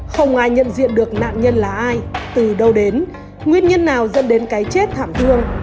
không ai nhận diện được nạn nhân là ai từ đâu đến nguyên nhân nào dẫn đến cái chết thảm thương